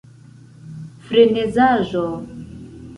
frenezaĵo